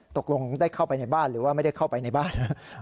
ตกลงได้เข้าไปในบ้านหรือว่าไม่ได้เข้าไปในบ้าน